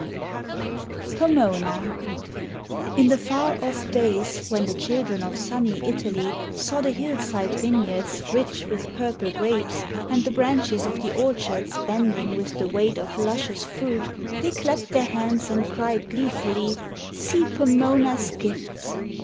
_ POMONA In the far off days, when the children of sunny Italy saw the hillside vineyards rich with purple grapes, and the branches of the orchards bending with the weight of luscious fruit, they clapped their hands and cried gleefully, "See Pomona's Gifts."